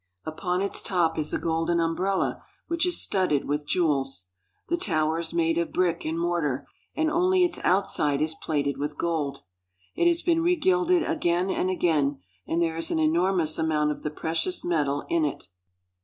Upon its top is a golden umbrella which is studded with jewels. The tower is made of brick and mortar, and only its outside is plated with gold. It has been regilded again and again, and there is an enor mous amount of the precious metal in it.